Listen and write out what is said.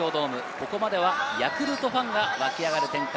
ここまではヤクルトファンが湧き上がる展開。